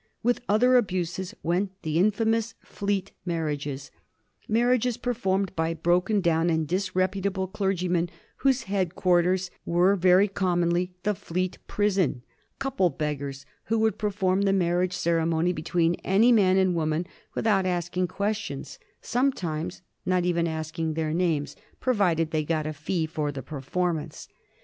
With other abuses went the infamous Fleet marriages — marriages performed by broken down and disreputable clergymen whose headquarters were very commonly the Fleet prison — "couple beggars*' who would perform the marriage cere mony between any man and woman without asking ques tions, sometimes not even asking their names, provided 280 A HISTO&T OF THE FOUR GEORGES, ca they got a fee for the performance.